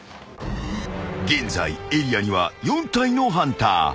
［現在エリアには４体のハンター］